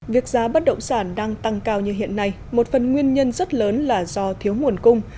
việc giá bất động sản đang tăng cao như hiện nay một phần nguyên nhân rất lớn là do thiếu nguồn cung